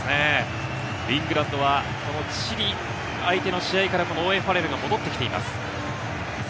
イングランドはチリ相手の試合からオーウェン・ファレルが戻ってきています。